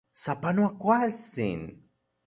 ¡Sapanoa kualtsin!